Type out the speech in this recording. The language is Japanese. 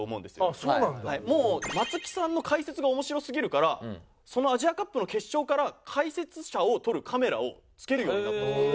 もう松木さんの解説が面白すぎるからそのアジアカップの決勝から解説者を撮るカメラを付けるようになったんですよ。